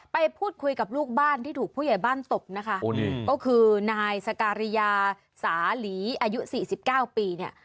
ไปพูดคุยกับลูกบ้านที่ถูกผู้ใหญ่บ้านตบนะคะก็คือนายสการิยาสาหลีอายุสี่สิบเก้าปีเนี่ย